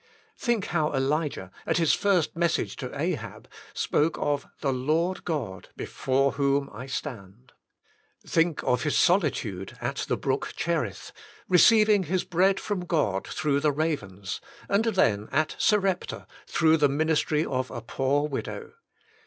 Think how Elijah, at his first message to Ahab, spoke of " the Lord God, before whom I stand.^' Think of his solitude at the brook Cherith, receiving his bread from God through the ravens, and then at Sarepta through the ministry of a poor widow.